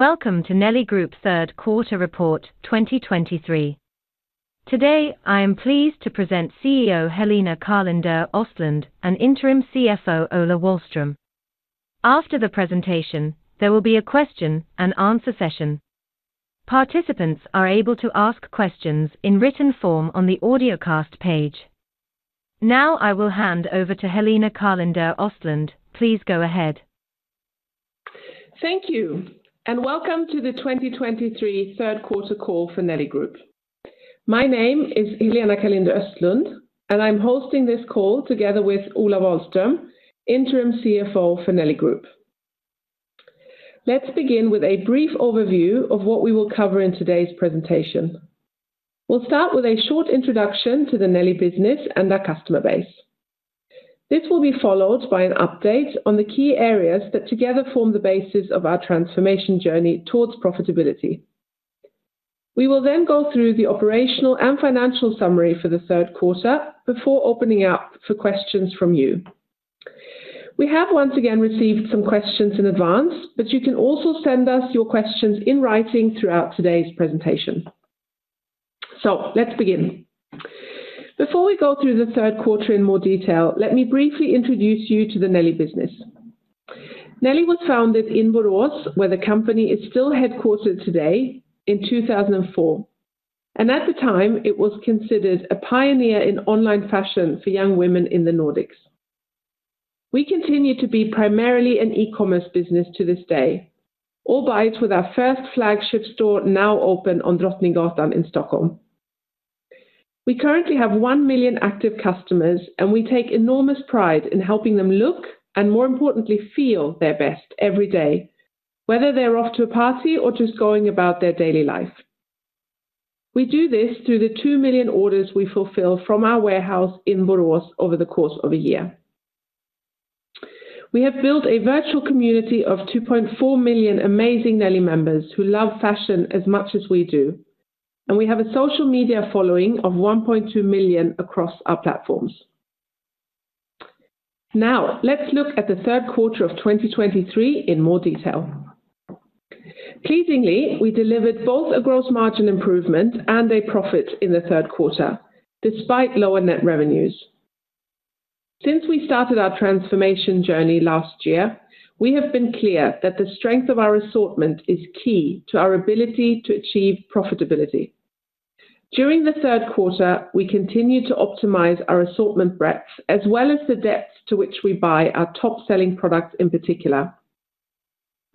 Welcome to Nelly Group Q3 report 2023. Today, I am pleased to present CEO Helena Karlinder-Östlund and Interim CFO Ola Wahlström. After the presentation, there will be a question-and-answer session. Participants are able to ask questions in written form on the audiocast page. Now I will hand over to Helena Karlinder-Östlund. Please go ahead. Thank you, and welcome to the 2023 Q3 call for Nelly Group. My name is Helena Karlinder-Östlund, and I'm hosting this call together with Ola Wahlström, Interim CFO for Nelly Group. Let's begin with a brief overview of what we will cover in today's presentation. We'll start with a short introduction to the Nelly business and our customer base. This will be followed by an update on the key areas that together form the basis of our transformation journey towards profitability. We will then go through the operational and financial summary for the Q3 before opening up for questions from you. We have once again received some questions in advance, but you can also send us your questions in writing throughout today's presentation. So let's begin. Before we go through the Q3 in more detail, let me briefly introduce you to the Nelly business. Nelly was founded in Borås, where the company is still headquartered today in 2004, and at the time, it was considered a pioneer in online fashion for young women in the Nordics. We continue to be primarily an e-commerce business to this day, albeit with our first flagship store now open on Drottninggatan in Stockholm. We currently have 1 million active customers, and we take enormous pride in helping them look, and more importantly, feel their best every day, whether they're off to a party or just going about their daily life. We do this through the 2 million orders we fulfill from our warehouse in Borås over the course of a year. We have built a virtual community of 2.4 million amazing Nelly members who love fashion as much as we do, and we have a social media following of 1.2 million across our platforms. Now, let's look at the Q3 of 2023 in more detail. Pleasingly, we delivered both a gross margin improvement and a profit in the Q3, despite lower net revenues. Since we started our transformation journey last year, we have been clear that the strength of our assortment is key to our ability to achieve profitability. During the Q3, we continued to optimize our assortment breadth, as well as the depth to which we buy our top-selling products in particular.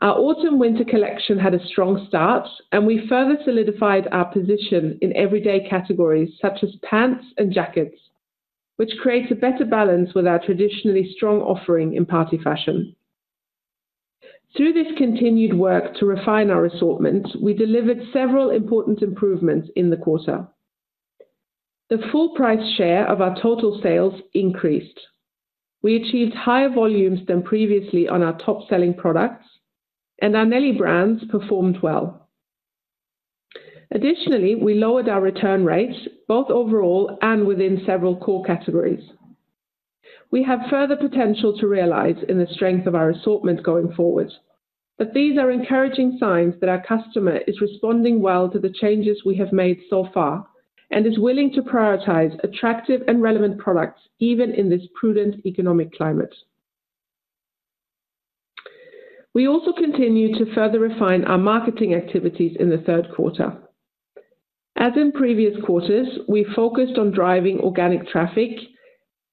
Our autumn/winter collection had a strong start, and we further solidified our position in everyday categories such as pants and jackets, which creates a better balance with our traditionally strong offering in party fashion. Through this continued work to refine our assortment, we delivered several important improvements in the quarter. The full price share of our total sales increased. We achieved higher volumes than previously on our top-selling products, and our Nelly brands performed well. Additionally, we lowered our return rates both overall and within several core categories. We have further potential to realize in the strength of our assortment going forward, but these are encouraging signs that our customer is responding well to the changes we have made so far and is willing to prioritize attractive and relevant products, even in this prudent economic climate. We also continued to further refine our marketing activities in the Q3. As in previous quarters, we focused on driving organic traffic,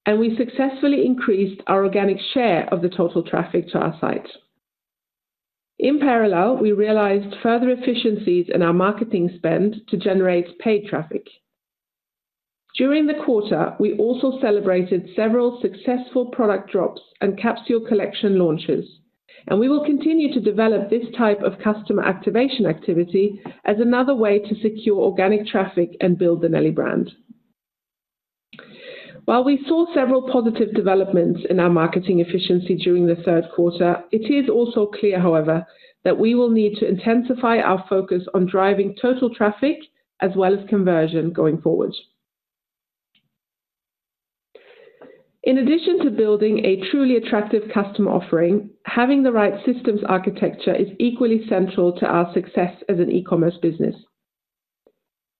and we successfully increased our organic share of the total traffic to our site. In parallel, we realized further efficiencies in our marketing spend to generate paid traffic. During the quarter, we also celebrated several successful product drops and capsule collection launches, and we will continue to develop this type of customer activation activity as another way to secure organic traffic and build the Nelly brand. While we saw several positive developments in our marketing efficiency during the Q3, it is also clear, however, that we will need to intensify our focus on driving total traffic as well as conversion going forward. In addition to building a truly attractive customer offering, having the right systems architecture is equally central to our success as an e-commerce business.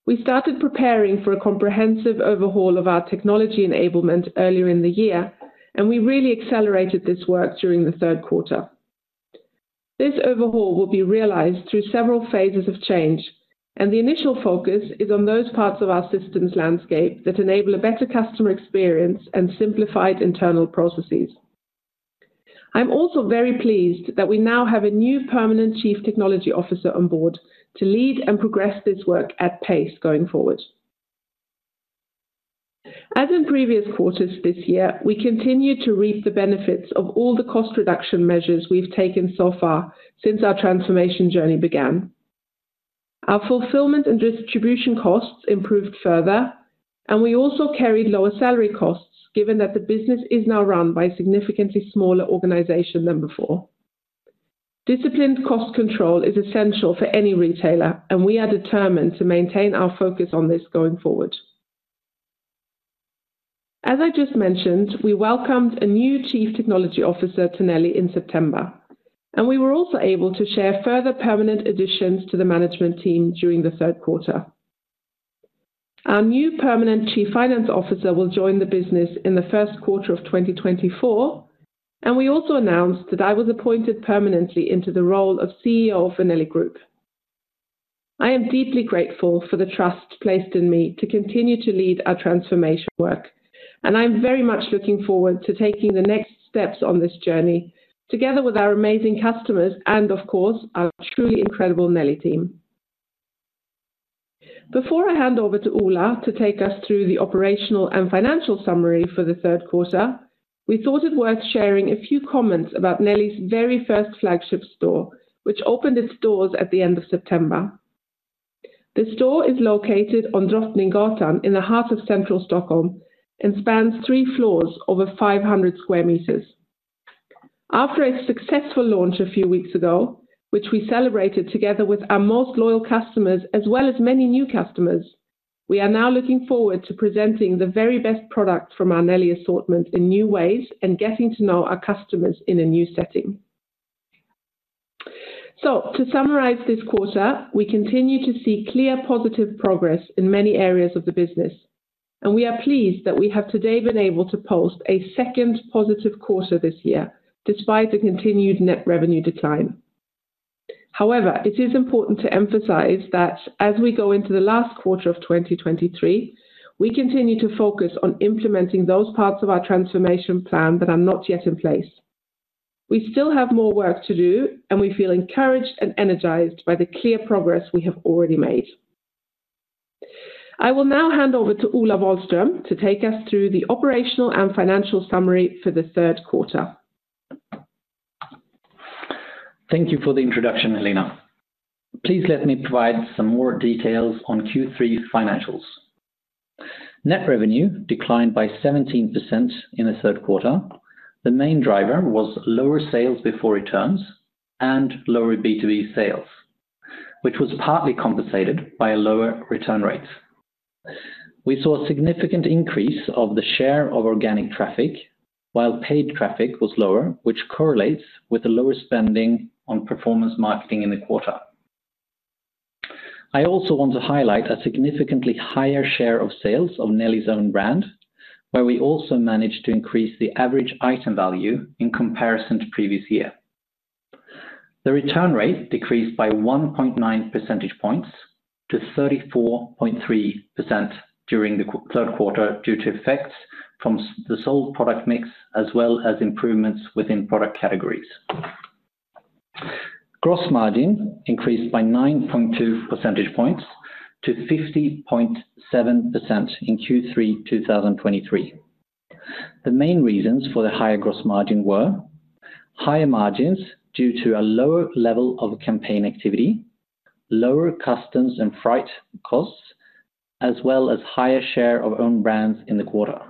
We started preparing for a comprehensive overhaul of our technology enablement earlier in the year, and we really accelerated this work during the Q3. This overhaul will be realized through several phases of change, and the initial focus is on those parts of our systems landscape that enable a better customer experience and simplified internal processes. I'm also very pleased that we now have a new permanent chief technology officer on board to lead and progress this work at pace going forward. As in previous quarters this year, we continued to reap the benefits of all the cost reduction measures we've taken so far since our transformation journey began. Our fulfillment and distribution costs improved further, and we also carried lower salary costs, given that the business is now run by a significantly smaller organization than before. Disciplined cost control is essential for any retailer, and we are determined to maintain our focus on this going forward. As I just mentioned, we welcomed a new Chief Technology Officer to Nelly in September, and we were also able to share further permanent additions to the management team during the Q3. Our new permanent Chief Finance Officer will join the business in the first quarter of 2024, and we also announced that I was appointed permanently into the role of CEO of Nelly Group. I am deeply grateful for the trust placed in me to continue to lead our transformation work, and I'm very much looking forward to taking the next steps on this journey together with our amazing customers and, of course, our truly incredible Nelly team. Before I hand over to Ola to take us through the operational and financial summary for the Q3, we thought it worth sharing a few comments about Nelly's very first flagship store, which opened its doors at the end of September. The store is located on Drottninggatan in the heart of central Stockholm and spans three floors over 500 square meters. After a successful launch a few weeks ago, which we celebrated together with our most loyal customers, as well as many new customers, we are now looking forward to presenting the very best product from our Nelly assortment in new ways and getting to know our customers in a new setting. So to summarize this quarter, we continue to see clear positive progress in many areas of the business, and we are pleased that we have today been able to post a second positive quarter this year despite the continued net revenue decline. However, it is important to emphasize that as we go into the last quarter of 2023, we continue to focus on implementing those parts of our transformation plan that are not yet in place. We still have more work to do, and we feel encouraged and energized by the clear progress we have already made. I will now hand over to Ola Wahlström to take us through the operational and financial summary for the Q3. Thank you for the introduction, Helena. Please let me provide some more details on Q3 financials. Net revenue declined by 17% in the Q3. The main driver was lower sales before returns and lower B2B sales, which was partly compensated by a lower return rate. We saw a significant increase of the share of organic traffic, while paid traffic was lower, which correlates with the lower spending on performance marketing in the quarter. I also want to highlight a significantly higher share of sales of Nelly's own brand, where we also managed to increase the average item value in comparison to previous year. The return rate decreased by 1.9 percentage points to 34.3% during the Q3, due to effects from the sold product mix, as well as improvements within product categories. Gross margin increased by 9.2 percentage points to 50.7% in Q3 2023. The main reasons for the higher gross margin were: higher margins due to a lower level of campaign activity, lower customs and freight costs, as well as higher share of own brands in the quarter.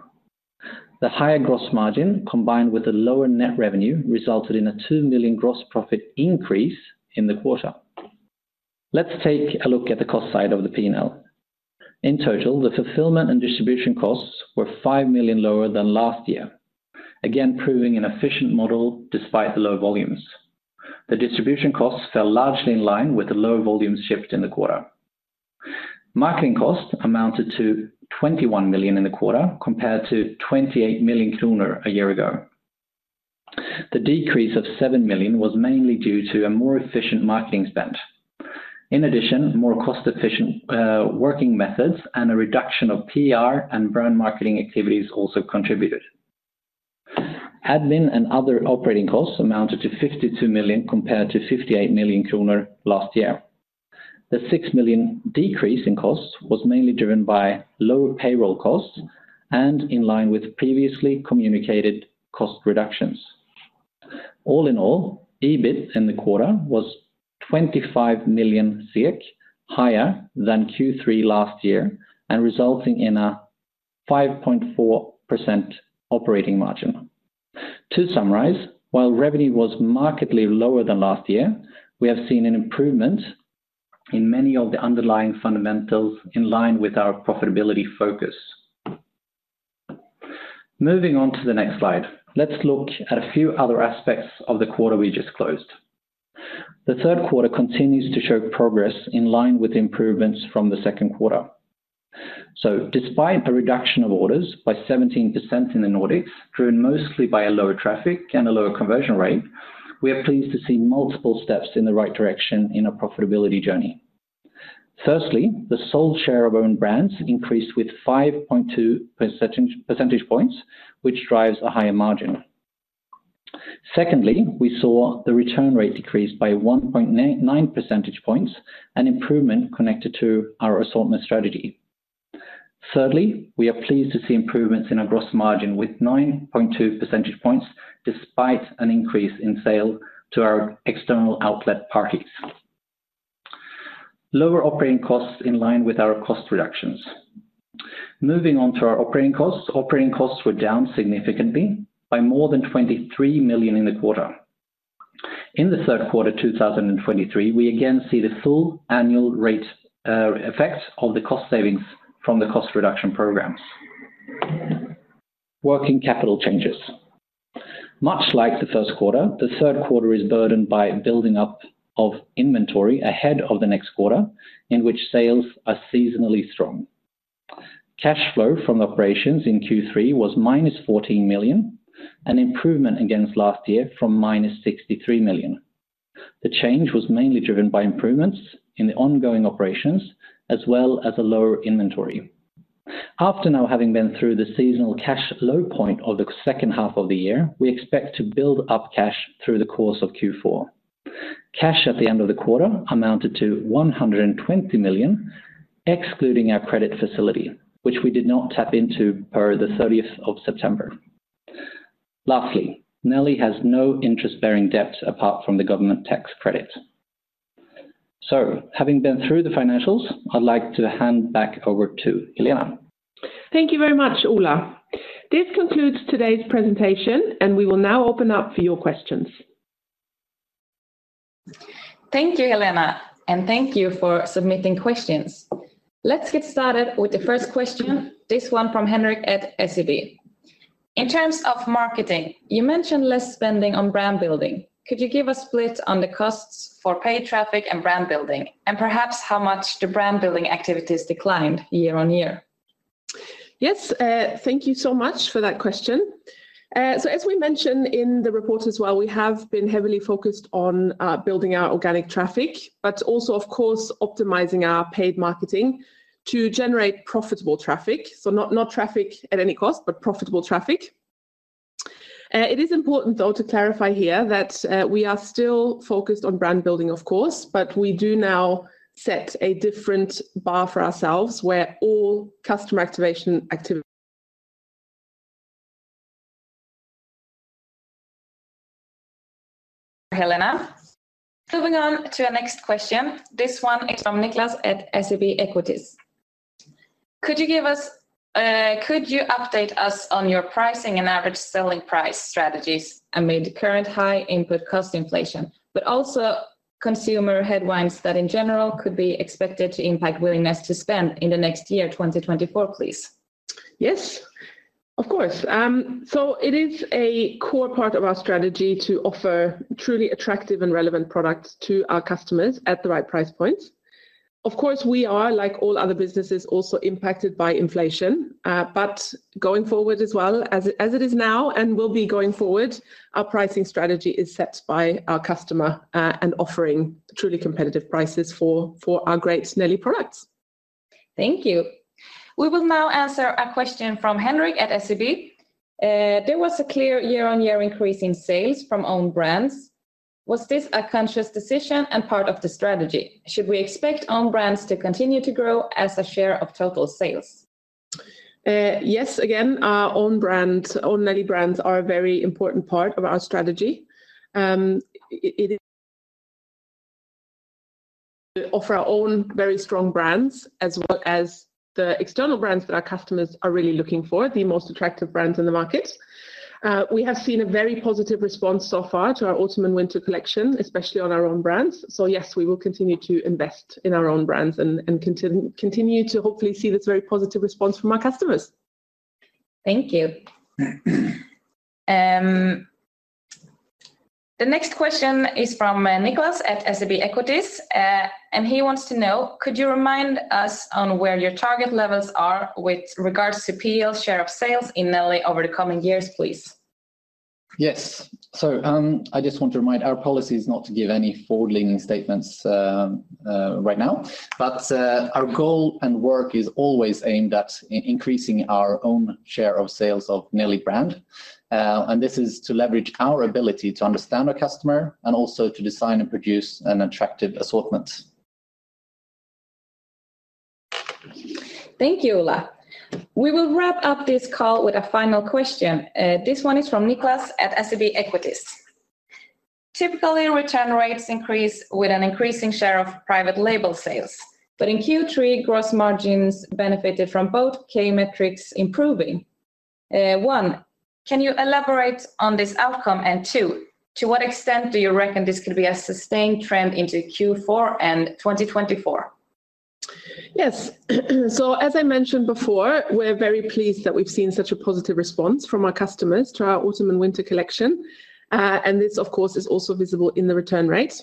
The higher gross margin, combined with a lower net revenue, resulted in a 2 million gross profit increase in the quarter. Let's take a look at the cost side of the P&L. In total, the fulfillment and distribution costs were 5 million lower than last year, again, proving an efficient model despite the low volumes. The distribution costs fell largely in line with the lower volume shift in the quarter. Marketing costs amounted to 21 million in the quarter, compared to 28 million kronor a year ago. The decrease of 7 million was mainly due to a more efficient marketing spend. In addition, more cost-efficient working methods and a reduction of PR and brand marketing activities also contributed. Admin and other operating costs amounted to 52 million, compared to 58 million kronor last year. The 6 million decrease in costs was mainly driven by lower payroll costs and in line with previously communicated cost reductions. All in all, EBIT in the quarter was 25 million, higher than Q3 last year, and resulting in a 5.4% operating margin. To summarize, while revenue was markedly lower than last year, we have seen an improvement in many of the underlying fundamentals in line with our profitability focus. Moving on to the next slide, let's look at a few other aspects of the quarter we just closed. The Q3 continues to show progress in line with improvements from the Q2. So despite a reduction of orders by 17% in the Nordics, driven mostly by a lower traffic and a lower conversion rate, we are pleased to see multiple steps in the right direction in our profitability journey. Firstly, the sales share of own brands increased with 5.2 percentage points, which drives a higher margin. Secondly, we saw the return rate decrease by 1.9 percentage points, an improvement connected to our assortment strategy. Thirdly, we are pleased to see improvements in our gross margin with 9.2 percentage points, despite an increase in sale to our external outlet parties. Lower operating costs in line with our cost reductions. Moving on to our operating costs. Operating costs were down significantly by more than 23 million in the quarter. In the Q3 2023, we again see the full annual rate, effect of the cost savings from the cost reduction programs. Working capital changes. Much like the first quarter, the Q3 is burdened by building up of inventory ahead of the next quarter, in which sales are seasonally strong. Cash flow from operations in Q3 was -14 million, an improvement against last year from -63 million. The change was mainly driven by improvements in the ongoing operations, as well as a lower inventory. After now having been through the seasonal cash low point of the second half of the year, we expect to build up cash through the course of Q4. Cash at the end of the quarter amounted to 120 million, excluding our credit facility, which we did not tap into per the thirtieth of September. Lastly, Nelly has no interest-bearing debt apart from the government tax credit. Having been through the financials, I'd like to hand back over to Helena. Thank you very much, Ola. This concludes today's presentation, and we will now open up for your questions. Thank you, Helena, and thank you for submitting questions. Let's get started with the first question, this one from Henrik at SEB: In terms of marketing, you mentioned less spending on brand building. Could you give a split on the costs for paid traffic and brand building, and perhaps how much the brand building activities declined year on year? Yes, thank you so much for that question. So as we mentioned in the report as well, we have been heavily focused on building our organic traffic, but also, of course, optimizing our paid marketing to generate profitable traffic, so not, not traffic at any cost, but profitable traffic. It is important, though, to clarify here that we are still focused on brand building, of course, but we do now set a different bar for ourselves, where all customer activation activity- Helena, moving on to our next question. This one is from Nicklas at SEB Equities: Could you update us on your pricing and average selling price strategies amid the current high input cost inflation, but also consumer headwinds that in general could be expected to impact willingness to spend in the next year, 2024, please? Yes, of course. So it is a core part of our strategy to offer truly attractive and relevant products to our customers at the right price points. Of course, we are, like all other businesses, also impacted by inflation, but going forward as well, as it is now and will be going forward, our pricing strategy is set by our customer, and offering truly competitive prices for our great Nelly products. Thank you. We will now answer a question from Henrik at SEB. There was a clear year-on-year increase in sales from own brands. Was this a conscious decision and part of the strategy? Should we expect own brands to continue to grow as a share of total sales? Yes, again, our own brands, own Nelly brands are a very important part of our strategy. Offer our own very strong brands, as well as the external brands that our customers are really looking for, the most attractive brands in the market. We have seen a very positive response so far to our autumn and winter collection, especially on our own brands. So yes, we will continue to invest in our own brands and continue to hopefully see this very positive response from our customers. Thank you. The next question is from Niklas at SEB Equities, and he wants to know: Could you remind us on where your target levels are with regards to PL share of sales in Nelly over the coming years, please? Yes. So, I just want to remind, our policy is not to give any forward-leaning statements, right now. But, our goal and work is always aimed at increasing our own share of sales of Nelly brand. And this is to leverage our ability to understand our customer and also to design and produce an attractive assortment. Thank you, Ola. We will wrap up this call with a final question. This one is from Nicklas at SEB Equities: Typically, return rates increase with an increasing share of private label sales, but in Q3, gross margins benefited from both key metrics improving. One, can you elaborate on this outcome? And two, to what extent do you reckon this could be a sustained trend into Q4 and 2024? Yes. So as I mentioned before, we're very pleased that we've seen such a positive response from our customers to our autumn and winter collection. And this, of course, is also visible in the return rate.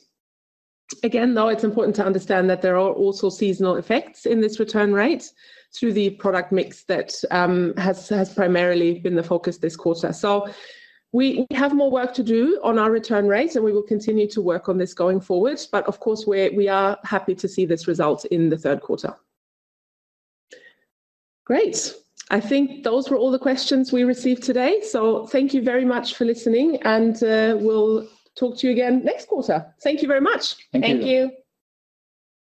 Again, though, it's important to understand that there are also seasonal effects in this return rate through the product mix that has primarily been the focus this quarter. So we have more work to do on our return rate, and we will continue to work on this going forward, but of course, we are happy to see this result in the Q3. Great! I think those were all the questions we received today. So thank you very much for listening, and we'll talk to you again next quarter. Thank you very much. Thank you.